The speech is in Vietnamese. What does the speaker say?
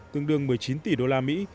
tương đương một mươi chín tỷ đô la mỹ